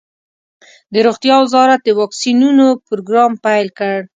د روغتیا وزارت د واکسینونو پروګرام پیل کړ.